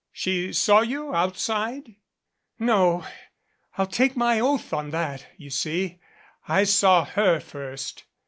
She saw you outside?" "No I'll take my oath on that you see, I saw her first.